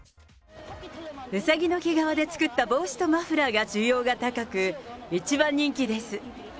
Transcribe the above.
うさぎの毛皮で作った帽子とマフラーが需要が高く、一番人気です。